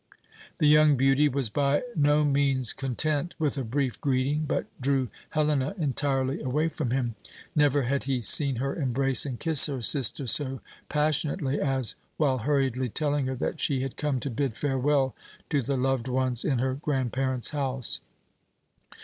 The young beauty was by no means content with a brief greeting; but drew Helena entirely away from him. Never had he seen her embrace and kiss her sister so passionately as while hurriedly telling her that she had come to bid farewell to the loved ones in her grandparents' house.